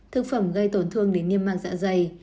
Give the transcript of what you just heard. thực phẩm gây tổn thương đến niêm măng dạ dày